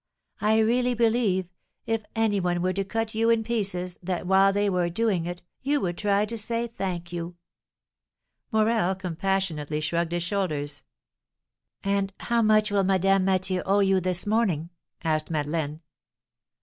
I really believe, if any one were to cut you in pieces, that, while they were doing it, you would try to say, 'Thank you!'" Morel compassionately shrugged his shoulders. "And how much will Madame Mathieu owe you this morning?" asked Madeleine.